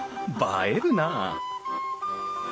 映えるなあ！